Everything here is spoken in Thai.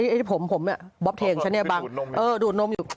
ไอ้ผมบอบเทงฉันเนี่ยบ้างดูดนมอยู่